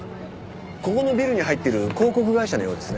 ここのビルに入ってる広告会社のようですね。